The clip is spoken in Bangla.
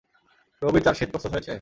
রবির চার্জশীট প্রস্তুত হয়েছে?